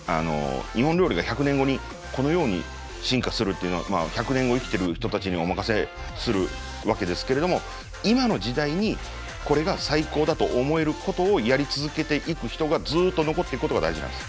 日本料理が１００年後にこのように進化するっていうのは１００年後生きてる人たちにお任せするわけですけれども今の時代にこれが最高だと思えることをやり続けていく人がずっと残っていくことが大事なんです。